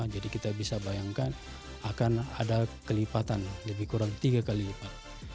jadi kita bisa bayangkan akan ada kelipatan lebih kurang tiga kali lipat